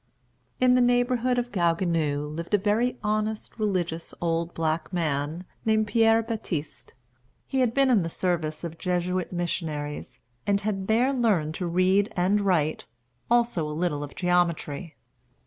In the neighborhood of Gaou Guinou lived a very honest, religious old black man, named Pierre Baptiste. He had been in the service of Jesuit missionaries, and had there learned to read and write, also a little of geometry.